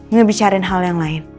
ngebicarain hal yang lain